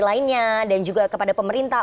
lainnya dan juga kepada pemerintah